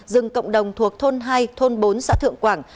rừng cộng đồng thuộc thôn hai thôn bốn xã thượng quảng